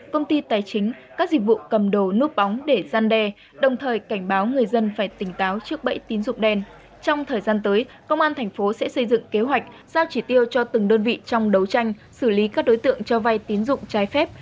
công an tp hcm sẽ xây dựng kế hoạch giao chỉ tiêu cho từng đơn vị trong đấu tranh xử lý các đối tượng cho vay tín dụng trái phép